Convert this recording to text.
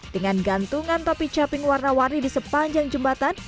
dengan gantungan topi caping warna warni di sepanjang jembatan